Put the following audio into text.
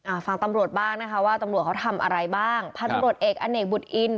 อ่าฟังตำรวจบ้างนะคะว่าตำลวจเขาทำอะไรบ้างผ้านรวชเอกอเอนกบุฏอิน